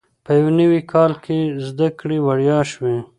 په یو نوي کال کې زده کړې وړیا شوې.